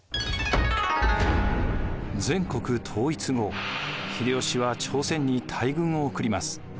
全国統一後秀吉は朝鮮に大軍を送ります。